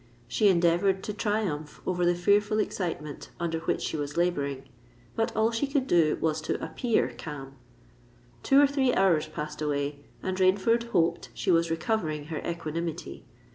She endeavoured to triumph over the fearful excitement under which she was labouring; but all she could do was to appear calm. Two or three hours passed away, and Rainford hoped she was recovering her equanimity.